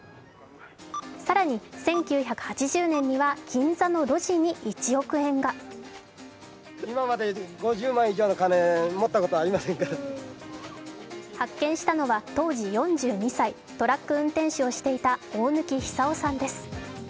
更に１９８０年には銀座の路上に１億円が発見したのは当時４２歳トラック運転手をしていた大貫久男さんです。